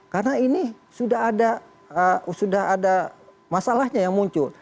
karena ini sudah ada masalahnya yang muncul